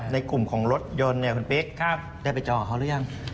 ในกลุ่มของรถยนต์เนี่ยคุณปิ๊กได้ไปจอกับเขาหรือยัง